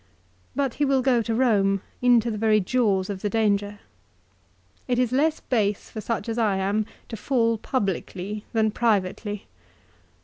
But he will go to Eome, into the very jaws of the danger. " It is less base for such as I am to fall publicly than privately."